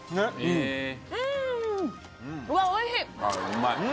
うまい。